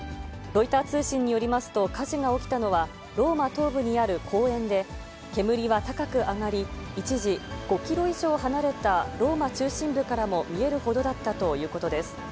ロイター通信によりますと、火事が起きたのはローマ東部にある公園で、煙は高く上がり、一時、５キロ以上離れたローマ中心部からも見えるほどだったということです。